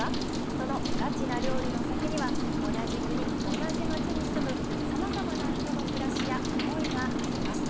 そのガチな料理の先には同じ国、同じ町に住むさまざまな人の暮らしや思いがあります。